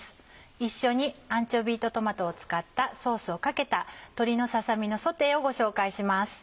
一緒にアンチョビーとトマトを使ったソースをかけた鶏のささ身のソテーをご紹介します。